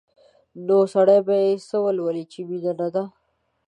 نو سړی به یې څه ولولي چې مینه نه وي؟